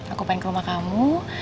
aku pengen ke rumah kamu